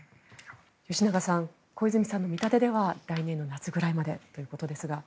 吉永さん小泉さんの見立てでは来年の夏ぐらいまでということですが。